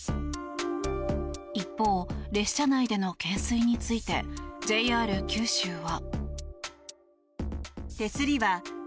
一方、列車内での懸垂についてＪＲ九州は。